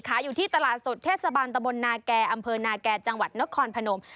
อยู่ที่ตลาดสดเทศบาลตะบลนาแก่อำเภอนาแก่จังหวัดนครพนม